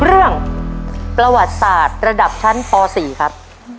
เรื่องประวัติศาสตร์ระดับชั้นป๔ครับ